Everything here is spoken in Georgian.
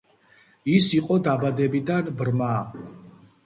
ის იყო დაბადებიდან ბრმა.